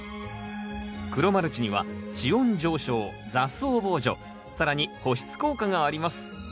黒マルチには地温上昇雑草防除更に保湿効果があります。